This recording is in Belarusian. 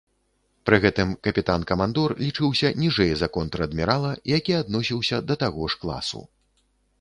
Пры гэтым капітан-камандор лічыўся ніжэй за контр-адмірала, які адносіўся да таго ж класу.